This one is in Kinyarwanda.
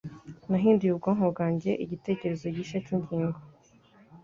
Nahinduye ubwonko bwanjye igitekerezo gishya cyingingo.